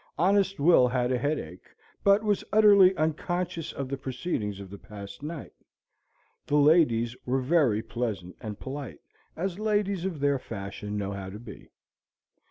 Honest Will had a headache, but was utterly unconscious of the proceedings of the past night. The ladies were very pleasant and polite, as ladies of their fashion know how to be.